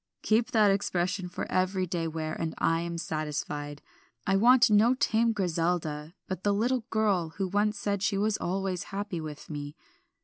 "Keep that expression for every day wear, and I am satisfied. I want no tame Griselda, but the little girl who once said she was always happy with me.